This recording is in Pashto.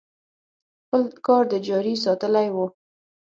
خپل کار جاري ساتلی و.